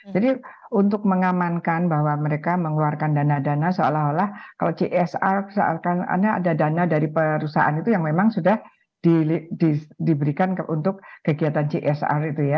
jadi untuk mengamankan bahwa mereka mengeluarkan dana dana seolah olah kalau csr seolah olah ada dana dari perusahaan itu yang memang sudah diberikan untuk kegiatan csr